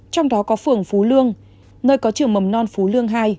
trong đó có phường phú lương nơi có trường mầm non phú lương hai